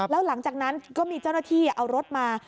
แล้วหลังจากนั้นก็มีเจ้าหน้าที่เอารถมา